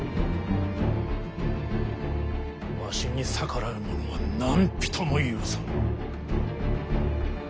わしに逆らう者は何人も許さぬ。